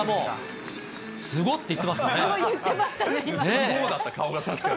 すごいって言ってましたね。